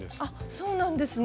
そうなんですね。